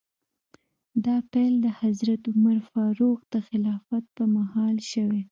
دا پیل د حضرت عمر فاروق د خلافت په مهال شوی.